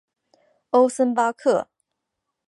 欧森巴克。